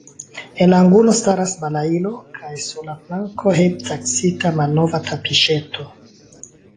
En la angulo staras balailo kaj sur la planko hejmteksita malnova tapiŝeto.